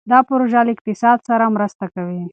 دا پروژه له اقتصاد سره مرسته کوي.